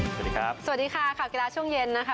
สวัสดีครับสวัสดีค่ะข่าวกีฬาช่วงเย็นนะคะ